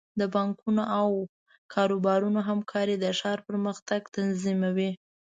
د بانکونو او کاروبارونو همکاري د ښار پرمختګ تضمینوي.